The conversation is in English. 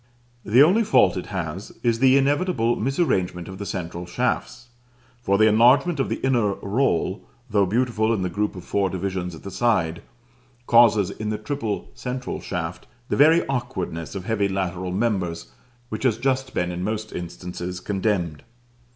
The only fault it has is the inevitable misarrangement of the central shafts; for the enlargement of the inner roll, though beautiful in the group of four divisions at the side, causes, in the triple central shaft, the very awkwardness of heavy lateral members which has just been in most instances condemned.